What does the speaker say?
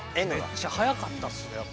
めっちゃ速かったっすねやっぱ玉。